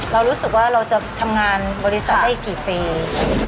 เรารู้สึกว่าเราจะทำงานบริษัทได้อีกกี่ปี